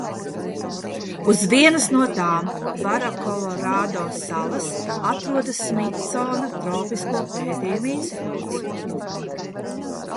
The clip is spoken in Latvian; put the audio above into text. Uz vienas no tām – Barokolorado salas – atrodas Smitsona tropisko pētījumu institūts.